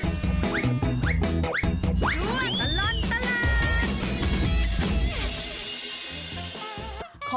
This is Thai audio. ช่วยตลอดตลาด